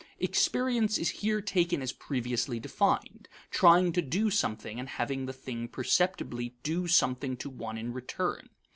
Experience is here taken as previously defined: trying to do something and having the thing perceptibly do something to one in return.